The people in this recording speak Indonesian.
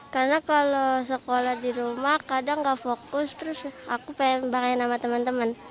karena kalau sekolah di rumah kadang nggak fokus terus aku pengen main sama teman teman